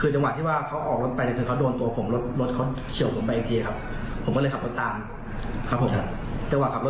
จนไปถึงคลิปที่เห็นครับ